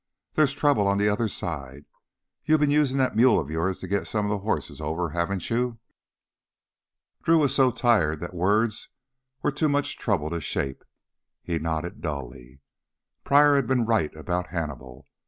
"There's trouble on the other side. You've been using that mule of yours to get some of the horses over, haven't you?" Drew was so tired that words were too much trouble to shape. He nodded dully. Pryor had been right about Hannibal.